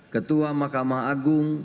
ketua mahkamah agung